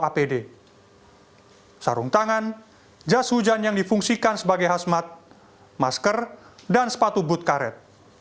apd sarung tangan jas hujan yang difungsikan sebagai hasmat masker dan sepatu but karet